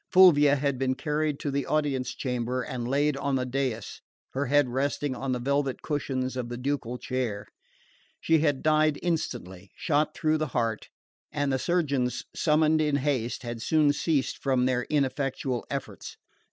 Fulvia had been carried into the audience chamber and laid on the dais, her head resting on the velvet cushions of the ducal chair. She had died instantly, shot through the heart, and the surgeons summoned in haste had soon ceased from their ineffectual efforts.